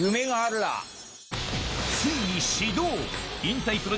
ついに始動！